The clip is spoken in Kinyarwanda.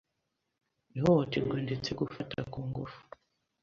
ihohoterwa ndetse gufata ku ngufu